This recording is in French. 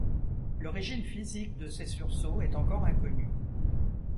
L'origine physique de ces sursauts est encore inconnue.